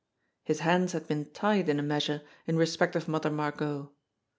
His hands had been tied in a measure in respect of Mother Margot.